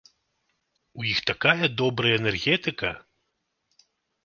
У іх такая добрая энергетыка!